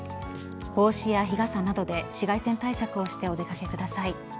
帽子や日傘などで紫外線対策をしてお出掛けください。